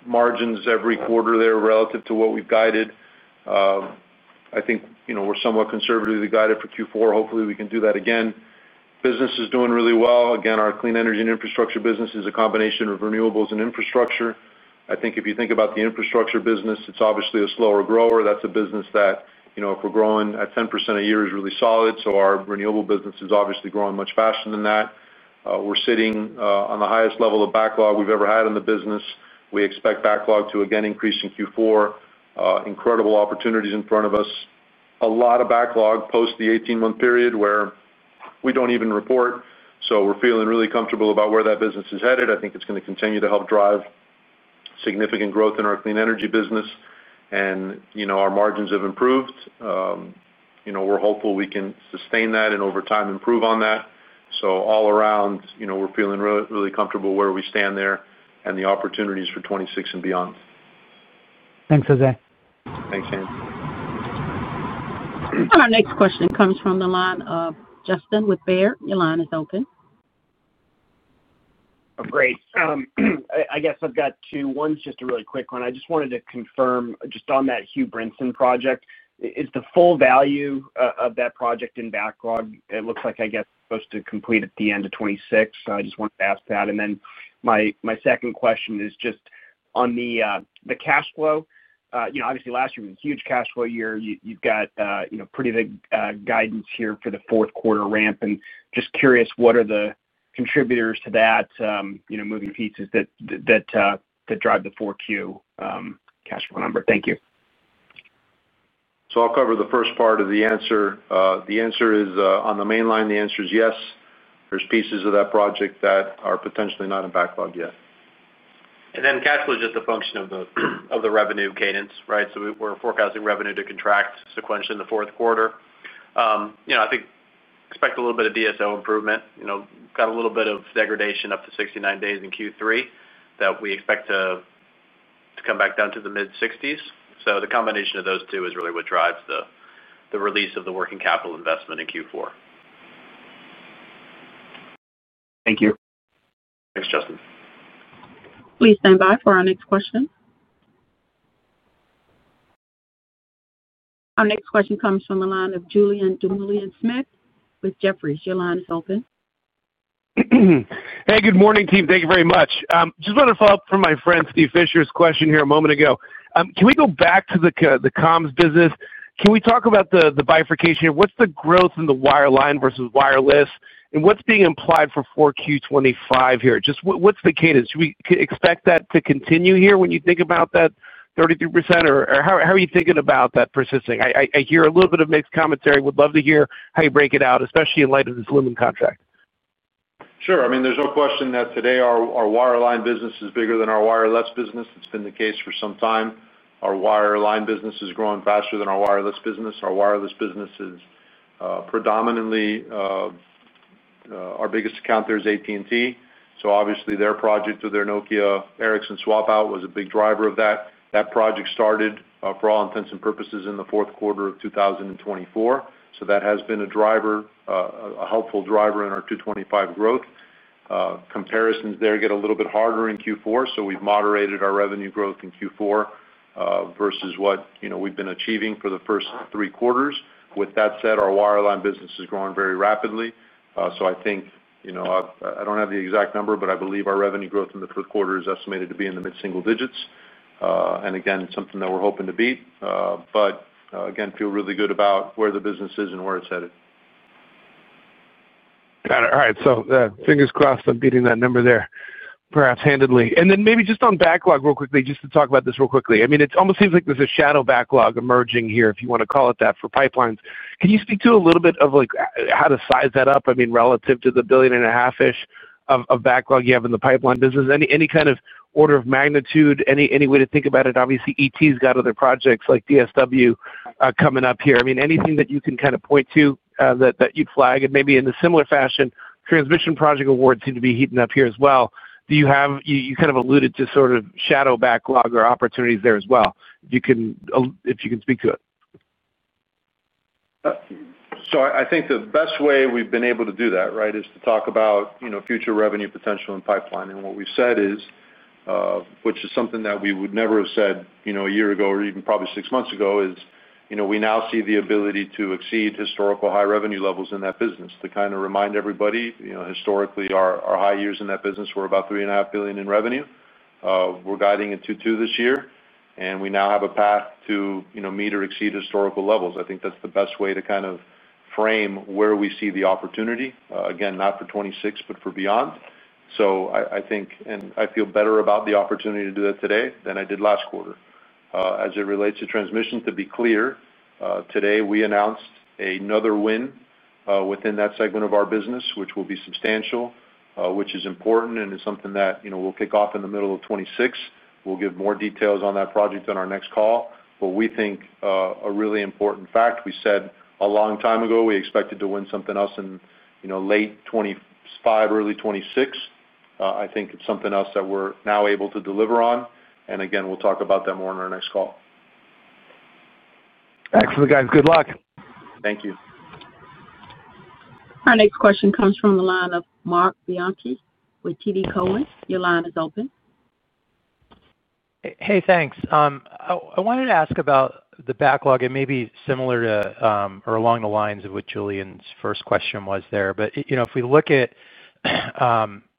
margins every quarter there relative to what we've guided. I think we're somewhat conservatively guided for Q4. Hopefully, we can do that again. Business is doing really well. Again, our clean energy and infrastructure business is a combination of renewables and infrastructure. I think if you think about the infrastructure business, it's obviously a slower grower. That's a business that if we're growing at 10% a year is really solid. Our renewable business is obviously growing much faster than that. We're sitting on the highest level of backlog we've ever had in the business. We expect backlog to again increase in Q4. Incredible opportunities in front of us. A lot of backlog post the 18-month period where we don't even report. We're feeling really comfortable about where that business is headed. I think it's going to continue to help drive significant growth in our clean energy business. Our margins have improved. We're hopeful we can sustain that and over time improve on that. All around, we're feeling really comfortable where we stand there and the opportunities for 2026 and beyond. Thanks, Jose. Thanks, Andy. Our next question comes from the line of Justin with Baird. Your line is open. Great. I guess I've got two ones, just a really quick one. I just wanted to confirm just on that Hugh Brinson project. Is the full value of that project in backlog? It looks like, I guess, it's supposed to complete at the end of 2026. I just wanted to ask that. My second question is just on the cash flow. Obviously, last year was a huge cash flow year. You've got pretty big guidance here for the fourth quarter ramp. I'm just curious, what are the contributors to that, moving pieces that drive the 4Q cash flow number? Thank you. I'll cover the first part of the answer. The answer is on the main line, the answer is yes. There are pieces of that project that are potentially not in backlog yet. Cash flow is just a function of the revenue cadence, right? We're forecasting revenue to contract sequentially in the fourth quarter. I think expect a little bit of DSO improvement. Got a little bit of degradation up to 69 days in Q3 that we expect to come back down to the mid-60s. The combination of those two is really what drives the release of the working capital investment in Q4. Thank you. Thanks, Justin. Please stand by for our next question. Our next question comes from the line of Julian Dumoulin Smith with Jefferies. Your line is open. Hey, good morning, team. Thank you very much. Just wanted to follow up from my friend Steve Fisher's question here a moment ago. Can we go back to the comms business? Can we talk about the bifurcation? What's the growth in the wireline versus wireless? What's being implied for 4Q 2025 here? Just what's the cadence? Should we expect that to continue here when you think about that 33%? How are you thinking about that persisting? I hear a little bit of mixed commentary. Would love to hear how you break it out, especially in light of this Lumen contract. Sure. I mean, there's no question that today our wireline business is bigger than our wireless business. It's been the case for some time. Our wireline business is growing faster than our wireless business. Our wireless business is predominantly, our biggest account there is AT&T. Obviously, their project with their Nokia Ericsson swap-out was a big driver of that. That project started, for all intents and purposes, in the fourth quarter of 2024. That has been a helpful driver in our 225 growth. Comparisons there get a little bit harder in Q4, so we've moderated our revenue growth in Q4 versus what we've been achieving for the first three quarters. With that said, our wireline business is growing very rapidly. I think, I don't have the exact number, but I believe our revenue growth in the fourth quarter is estimated to be in the mid-single digits. Again, it's something that we're hoping to beat. Again, feel really good about where the business is and where it's headed. Got it. All right. Fingers crossed on beating that number there, perhaps handedly. Maybe just on backlog real quickly, just to talk about this real quickly. It almost seems like there's a shadow backlog emerging here, if you want to call it that, for pipelines. Can you speak to a little bit of how to size that up? Relative to the $1.5 billion-ish of backlog you have in the pipeline business, any kind of order of magnitude, any way to think about it? Obviously, ET has got other projects like DSW coming up here. Anything that you can kind of point to that you'd flag? Maybe in a similar fashion, transmission project awards seem to be heating up here as well. You kind of alluded to sort of shadow backlog or opportunities there as well. If you can speak to it. I think the best way we've been able to do that, right, is to talk about future revenue potential and pipeline. What we've said is, which is something that we would never have said a year ago or even probably six months ago, is we now see the ability to exceed historical high revenue levels in that business. To kind of remind everybody, historically, our high years in that business were about $3.5 billion in revenue. We're guiding it to $2 billion this year, and we now have a path to meet or exceed historical levels. I think that's the best way to kind of frame where we see the opportunity, again, not for 2026, but for beyond. I feel better about the opportunity to do that today than I did last quarter. As it relates to transmission, to be clear, today we announced another win within that segment of our business, which will be substantial, which is important and is something that we'll kick off in the middle of 2026. We'll give more details on that project on our next call. We think a really important fact, we said a long time ago, we expected to win something else in late 2025, early 2026. I think it's something else that we're now able to deliver on, and again, we'll talk about that more on our next call. Excellent, guys. Good luck. Thank you. Our next question comes from the line of Marc Bianchi with TD Cowen. Your line is open. Hey, thanks. I wanted to ask about the backlog. It may be similar to or along the lines of what Julian's first question was there. If we look at,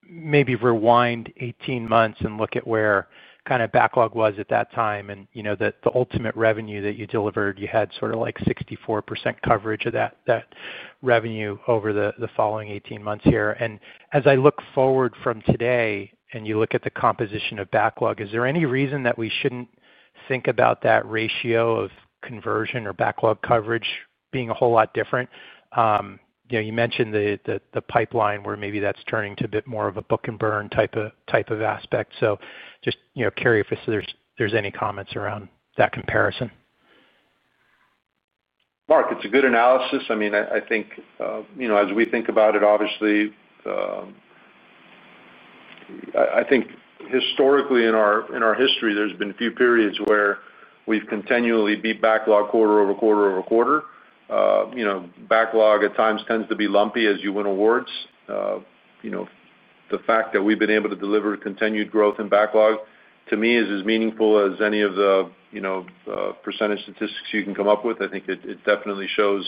maybe rewind 18 months and look at where kind of backlog was at that time and the ultimate revenue that you delivered, you had sort of like 64% coverage of that revenue over the following 18 months. As I look forward from today and you look at the composition of backlog, is there any reason that we shouldn't think about that ratio of conversion or backlog coverage being a whole lot different? You mentioned the pipeline where maybe that's turning to a bit more of a book and burn type of aspect. Just curious if there's any comments around that comparison. Marc, it's a good analysis. I think as we think about it, obviously, I think historically in our history, there's been a few periods where we've continually beat backlog quarter over quarter over quarter. Backlog at times tends to be lumpy as you win awards. The fact that we've been able to deliver continued growth in backlog, to me, is as meaningful as any of the percentage statistics you can come up with. I think it definitely shows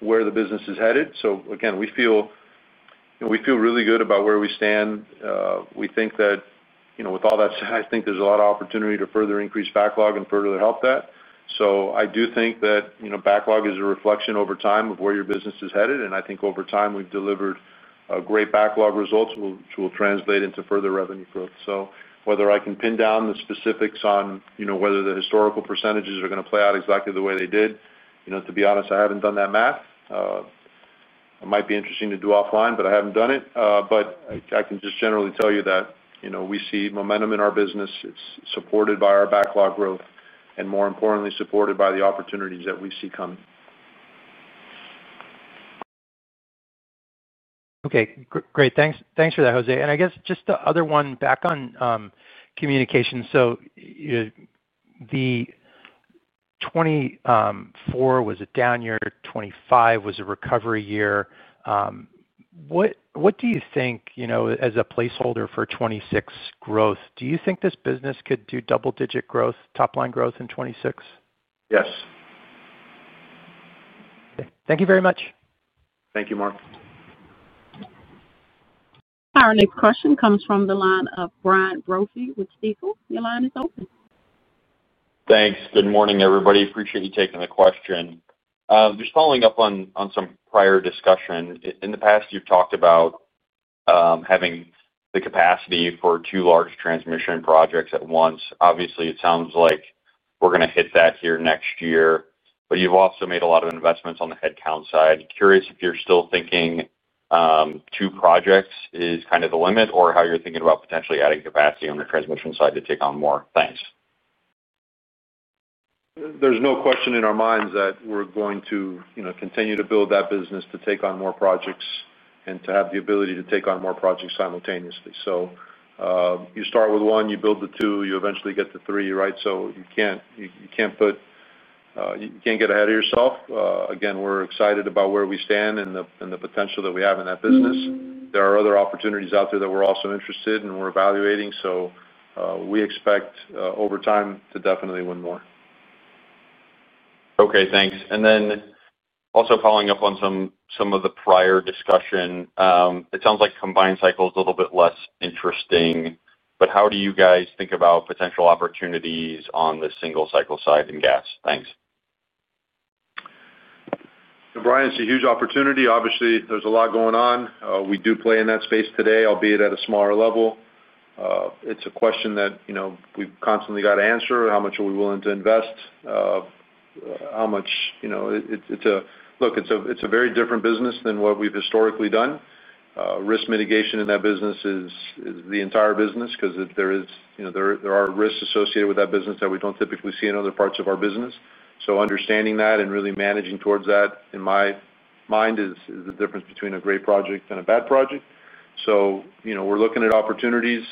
where the business is headed. We feel really good about where we stand. We think that with all that said, there's a lot of opportunity to further increase backlog and further help that. I do think that backlog is a reflection over time of where your business is headed. I think over time we've delivered great backlog results, which will translate into further revenue growth. Whether I can pin down the specifics on whether the historical percentages are going to play out exactly the way they did, to be honest, I haven't done that math. It might be interesting to do offline, but I haven't done it. I can just generally tell you that we see momentum in our business. It's supported by our backlog growth and, more importantly, supported by the opportunities that we see coming. Okay. Great. Thanks for that, Jose. I guess just the other one back on communications. The 2024, was it a down year? 2025 was a recovery year. What do you think as a placeholder for 2026 growth? Do you think this business could do double-digit growth, top-line growth in 2026? Yes. Okay, thank you very much. Thank you, Marc. Our next question comes from the line of Brian Brophy with Stifel. Your line is open. Thanks. Good morning, everybody. Appreciate you taking the question. Just following up on some prior discussion. In the past, you've talked about having the capacity for two large transmission projects at once. Obviously, it sounds like we're going to hit that here next year. You've also made a lot of investments on the headcount side. Curious if you're still thinking two projects is kind of the limit or how you're thinking about potentially adding capacity on the transmission side to take on more. Thanks. There's no question in our minds that we're going to continue to build that business to take on more projects and to have the ability to take on more projects simultaneously. You start with one, you build to two, you eventually get to three, right? You can't get ahead of yourself. Again, we're excited about where we stand and the potential that we have in that business. There are other opportunities out there that we're also interested in and we're evaluating. We expect over time to definitely win more. Okay. Thanks. Also, following up on some of the prior discussion, it sounds like combined cycle is a little bit less interesting. How do you guys think about potential opportunities on the single cycle side in gas? Thanks. Brian, it's a huge opportunity. Obviously, there's a lot going on. We do play in that space today, albeit at a smaller level. It's a question that we've constantly got to answer. How much are we willing to invest? How much? It's a very different business than what we've historically done. Risk mitigation in that business is the entire business because there are risks associated with that business that we don't typically see in other parts of our business. Understanding that and really managing towards that, in my mind, is the difference between a great project and a bad project. We're looking at opportunities,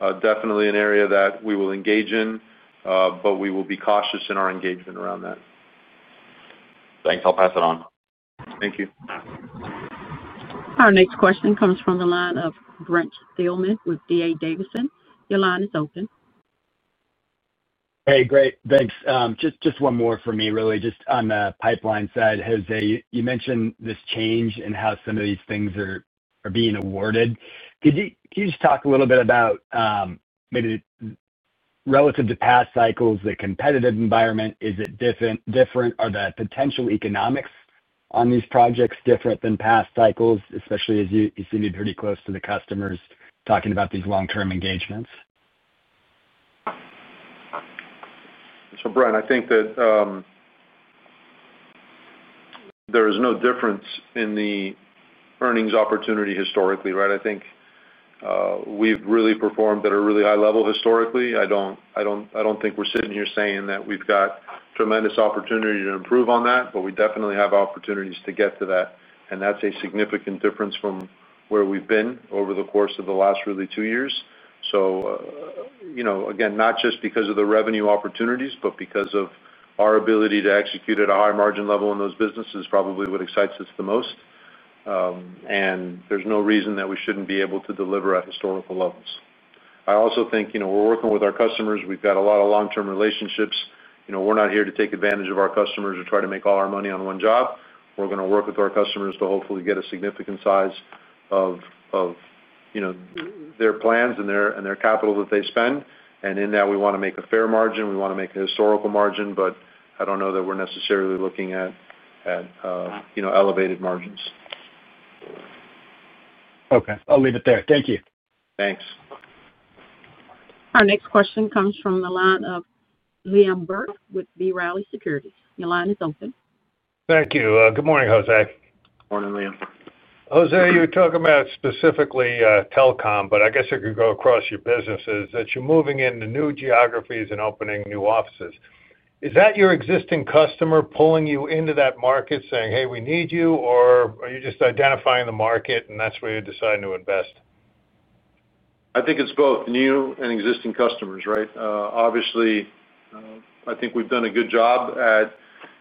definitely an area that we will engage in. We will be cautious in our engagement around that. Thanks. I'll pass it on. Thank you. Our next question comes from the line of Brent Thielman with D.A. Davidson. Your line is open. Hey, great. Thanks. Just one more for me, really. Just on the pipeline side, Jose, you mentioned this change in how some of these things are being awarded. Could you just talk a little bit about, maybe relative to past cycles, the competitive environment? Is it different? Are the potential economics on these projects different than past cycles, especially as you seem to be pretty close to the customers talking about these long-term engagements? Brian, I think that there is no difference in the earnings opportunity historically, right? I think we've really performed at a really high level historically. I don't think we're sitting here saying that we've got tremendous opportunity to improve on that, but we definitely have opportunities to get to that, and that's a significant difference from where we've been over the course of the last really two years. Again, not just because of the revenue opportunities, but because of our ability to execute at a high margin level in those businesses is probably what excites us the most. There's no reason that we shouldn't be able to deliver at historical levels. I also think we're working with our customers. We've got a lot of long-term relationships. We're not here to take advantage of our customers or try to make all our money on one job. We're going to work with our customers to hopefully get a significant size of their plans and their capital that they spend. In that, we want to make a fair margin. We want to make a historical margin, but I don't know that we're necessarily looking at elevated margins. Okay, I'll leave it there. Thank you. Thanks. Our next question comes from the line of Liam Burke with B. Riley Securities. Your line is open. Thank you. Good morning, Jose. Morning, Liam. Jose, you were talking about specifically telecom, but I guess it could go across your businesses, that you're moving into new geographies and opening new offices. Is that your existing customer pulling you into that market, saying, "Hey, we need you," or are you just identifying the market and that's where you're deciding to invest? I think it's both new and existing customers, right? Obviously, I think we've done a good job at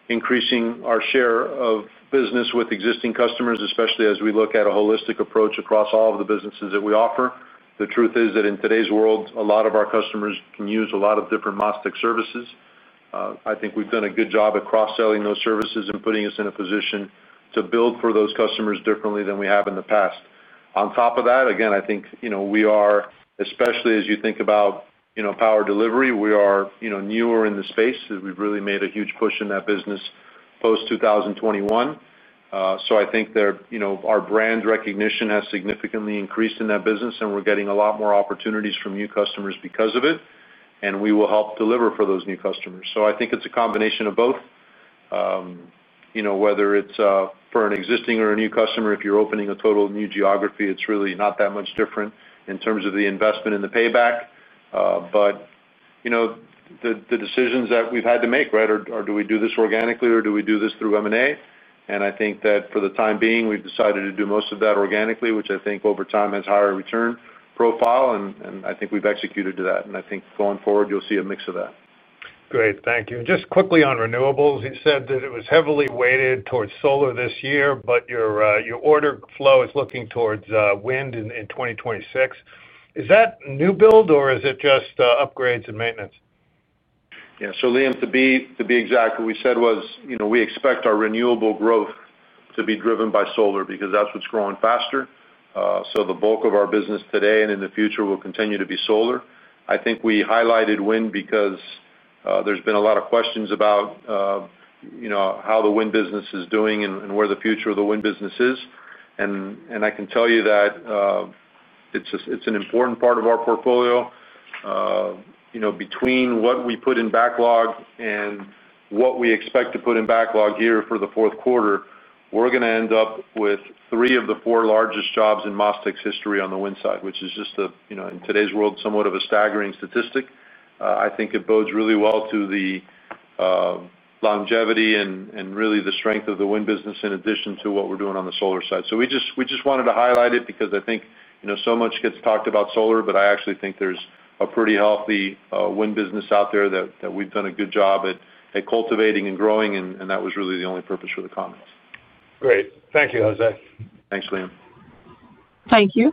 increasing our share of business with existing customers, especially as we look at a holistic approach across all of the businesses that we offer. The truth is that in today's world, a lot of our customers can use a lot of different MasTec services. I think we've done a good job at cross-selling those services and putting us in a position to build for those customers differently than we have in the past. On top of that, I think we are, especially as you think about power delivery, we are newer in the space. We've really made a huge push in that business post 2021. I think our brand recognition has significantly increased in that business, and we're getting a lot more opportunities from new customers because of it. We will help deliver for those new customers. I think it's a combination of both. Whether it's for an existing or a new customer, if you're opening a total new geography, it's really not that much different in terms of the investment and the payback. The decisions that we've had to make, right, are do we do this organically or do we do this through M&A? I think that for the time being, we've decided to do most of that organically, which I think over time has a higher return profile. I think we've executed to that, and I think going forward, you'll see a mix of that. Great. Thank you. Just quickly on renewables, you said that it was heavily weighted towards solar this year, but your order flow is looking towards wind in 2026. Is that new build or is it just upgrades and maintenance? Yeah. So, Liam, to be exact, what we said was we expect our renewable growth to be driven by solar because that's what's growing faster. The bulk of our business today and in the future will continue to be solar. I think we highlighted wind because there's been a lot of questions about how the wind business is doing and where the future of the wind business is. I can tell you that it's an important part of our portfolio. Between what we put in backlog and what we expect to put in backlog here for the fourth quarter, we're going to end up with three of the four largest jobs in MasTec's history on the wind side, which is just, in today's world, somewhat of a staggering statistic. I think it bodes really well to the longevity and really the strength of the wind business in addition to what we're doing on the solar side. We just wanted to highlight it because I think so much gets talked about solar, but I actually think there's a pretty healthy wind business out there that we've done a good job at cultivating and growing, and that was really the only purpose for the comments. Great. Thank you, Jose. Thanks, Liam. Thank you.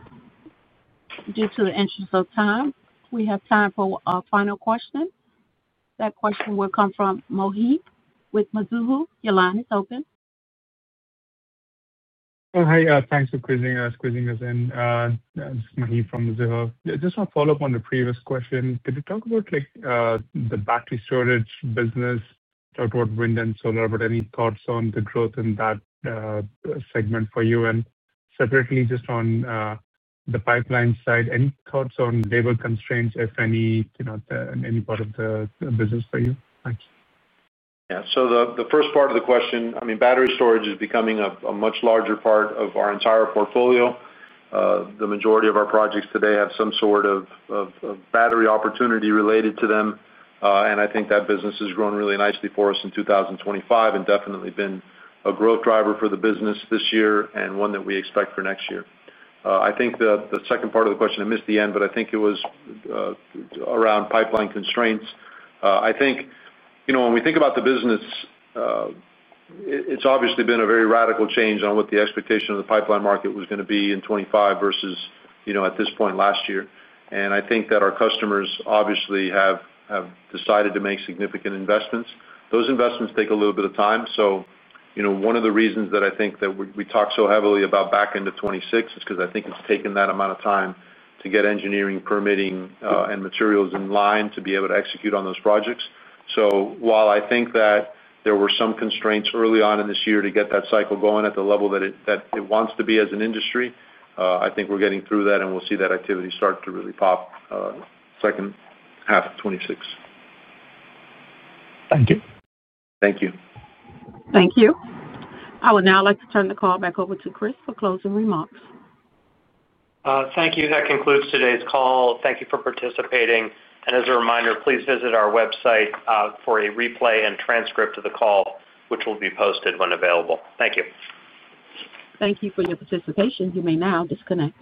Due to the interest of time, we have time for a final question. That question will come from Mohib with Mizuho. Your line is open. Hey, thanks for squeezing us in. This is Mohib from Mzuhu. Just a follow-up on the previous question. Could you talk about the battery storage business, talk about wind and solar, but any thoughts on the growth in that segment for you? Separately, just on the pipeline side, any thoughts on labor constraints, if any, in any part of the business for you? Thanks. Yeah. The first part of the question, I mean, battery storage is becoming a much larger part of our entire portfolio. The majority of our projects today have some sort of battery opportunity related to them. I think that business has grown really nicely for us in 2025 and definitely been a growth driver for the business this year and one that we expect for next year. I think the second part of the question, I missed the end, but I think it was around pipeline constraints. When we think about the business, it's obviously been a very radical change on what the expectation of the pipeline market was going to be in 2025 versus at this point last year. I think that our customers obviously have decided to make significant investments. Those investments take a little bit of time. One of the reasons that I think that we talk so heavily about back into 2026 is because I think it's taken that amount of time to get engineering, permitting, and materials in line to be able to execute on those projects. While I think that there were some constraints early on in this year to get that cycle going at the level that it wants to be as an industry, I think we're getting through that, and we'll see that activity start to really pop second half of 2026. Thank you. Thank you. Thank you. I would now like to turn the call back over to Jose Mas for closing remarks. Thank you. That concludes today's call. Thank you for participating. As a reminder, please visit our website for a replay and transcript of the call, which will be posted when available. Thank you. Thank you for your participation. You may now disconnect.